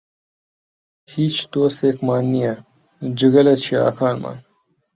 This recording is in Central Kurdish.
هیچ دۆستێکمان نییە، جگە لە چیاکانمان.